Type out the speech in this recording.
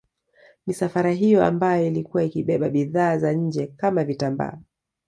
Misafara hiyo ambayo ilikuwa ikibeba bidhaa za nje kama vitambaa